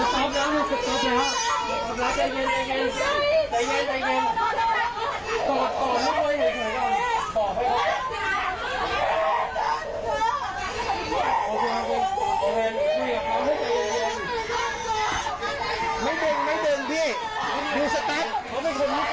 ไม่เดินไม่เดินไม่เดินพี่มีสต๊ะเขาเป็นคนญี่ปุ่น